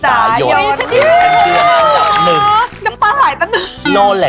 น้ำตาหายไปแล้ว